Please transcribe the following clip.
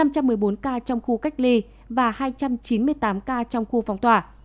một trăm một mươi bốn ca trong khu cách ly và hai trăm chín mươi tám ca trong khu phong tỏa